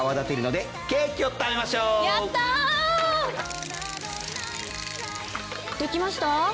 できました？